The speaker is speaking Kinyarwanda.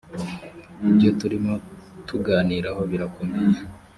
ibyo turimo tuganiraho birakomeye.